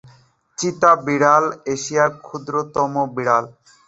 চিতা বিড়াল এশিয়ার ক্ষুদ্রতম বিড়াল।